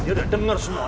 dia udah denger semua